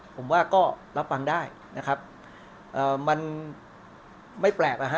ผมว่าก็รับฟังได้นะครับเอ่อมันไม่แปลกนะฮะ